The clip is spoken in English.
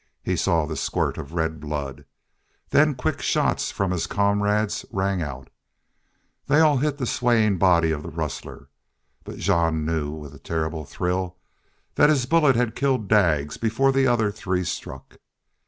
He saw the squirt of red blood. Then quick shots from his comrades rang out. They all hit the swaying body of the rustler. But Jean knew with a terrible thrill that his bullet had killed Daggs before the other three struck.